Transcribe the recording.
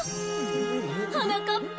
はなかっぱ。